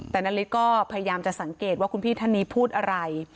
แต่นาริสก็พยายามจะสังเกตว่าคุณพี่ท่านนี้พูดอะไร